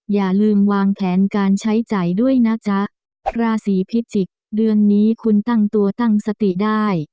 อย่าลืมวางแผนการใช้จ่ายด้วยนะจ๊ะราศีพิจิกษ์เดือนนี้คุณตั้งตัวตั้งสติได้